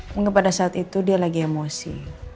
mungkin pada saat itu dia lagi emosi